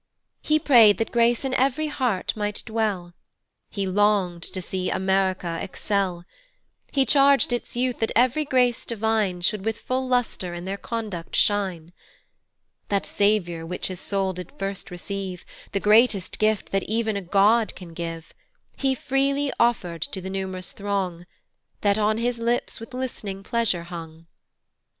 He pray'd that grace in ev'ry heart might dwell, He long'd to see America excell; He charg'd its youth that ev'ry grace divine Should with full lustre in their conduct shine; That Saviour, which his soul did first receive, The greatest gift that ev'n a God can give, He freely offer'd to the num'rous throng, That on his lips with list'ning pleasure hung.